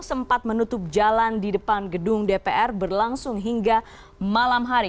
sempat menutup jalan di depan gedung dpr berlangsung hingga malam hari